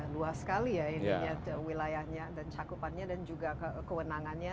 luas sekali ya ininya wilayahnya dan cakupannya dan juga kewenangannya